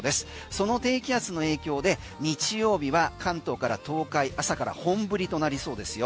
その低気圧の影響で日曜日は関東から東海朝から本降りとなりそうですよ。